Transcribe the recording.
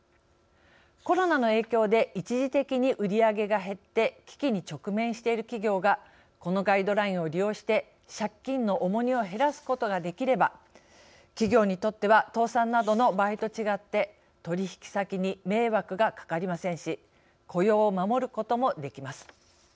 コロナの影響で一時的に売り上げが減って危機に直面している企業がこのガイドラインを利用して借金の重荷を減らすことができれば企業にとっては倒産などの場合と違って取引先に迷惑がかかりませんし雇用を守ることもできます。